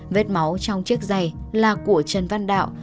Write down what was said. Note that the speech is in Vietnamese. giám định mẫu gen trong chiếc giày bỏ lại tại hiện trường là của trần văn đạo